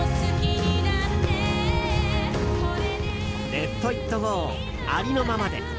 「レット・イット・ゴーありのままで」。